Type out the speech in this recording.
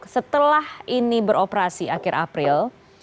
setelah ini beroperasi akhir april